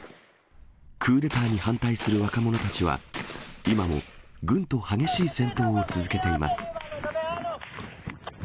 クーデターに反対する若者たちは、今も軍と激しい戦闘を続けています。